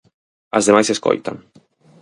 As demais escoitan.